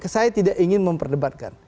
saya tidak ingin memperdebatkan